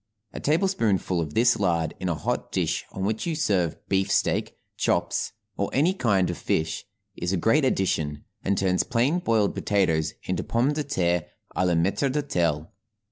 A tablespoonful of this laid in a hot dish on which you serve beefsteak, chops, or any kind of fish, is a great addition, and turns plain boiled potatoes into pomme de terre à la maître d'hôtel.